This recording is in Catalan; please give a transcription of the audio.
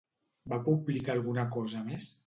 Va publicar alguna cosa més?